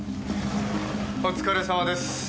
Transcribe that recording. お疲れさまです。